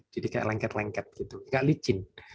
jadi kayak lengket lengket gitu nggak licin